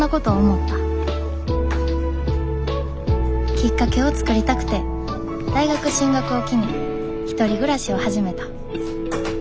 きっかけを作りたくて大学進学を機に１人暮らしを始めた。